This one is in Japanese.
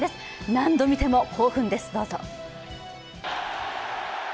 何度見ても興奮です、どうぞ。